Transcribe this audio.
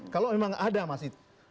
kalau memang ada masih